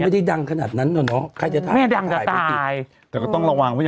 ส่วนแรกของคนอื่นเขาอีกแล้ว